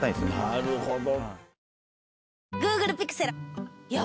なるほど。